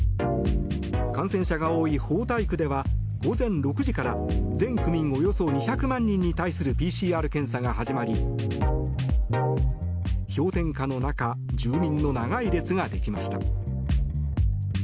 感染者が多い豊台区では午前６時から全区民およそ２００万人に対するＰＣＲ検査が始まり氷点下の中住民の長い列ができました。